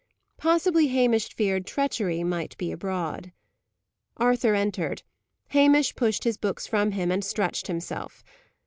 Possibly Hamish feared treachery might be abroad. Arthur entered. Hamish pushed his books from him, and stretched himself.